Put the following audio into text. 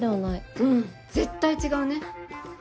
うん絶対違うね。